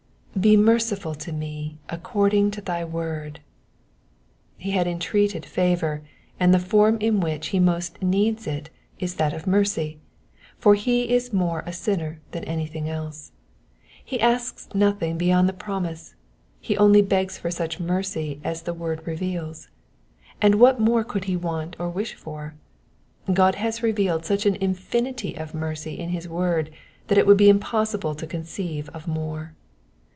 ^^Be merciful unto me according to thy word.''^ He has entreated favour, and the form in which he most needs it is that of mercy, for he is more a sinner than anything else. He asks nothing beyond the promise, he only begs for such mercy as the word reveals. And what more could he want or wish for? God has revealed such an infinity of mercy in his word that it would be impossible to conceive of more.